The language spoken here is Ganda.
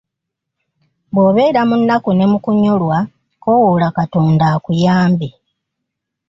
Bw’obeera mu nnaku ne mukunyolwa kowoola katonda akuyambe.